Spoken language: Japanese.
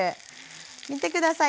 見て下さい。